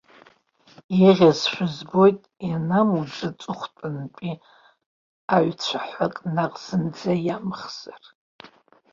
Еиӷьызшәа збоит, ианамуӡа аҵыхәтәантәи аҩцәаҳәак наҟ зынӡа иамхзар.